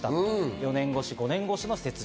４年越し、５年越しの雪辱。